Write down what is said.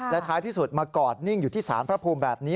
และท้ายที่สุดมากอดนิ่งอยู่ที่สารพระภูมิแบบนี้